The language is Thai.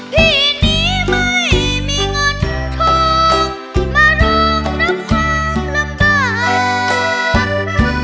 พี่นี้ไม่มีเงินทองมาร้องรับความลำบาก